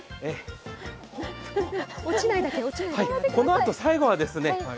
このあと最後はですね